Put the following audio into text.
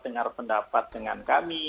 dengar pendapat dengan kami